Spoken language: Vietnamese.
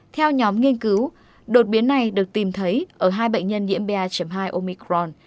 theo nhóm nghiên cứu đột biến này được tìm thấy ở hai bệnh nhân nhiễm ba hai omicron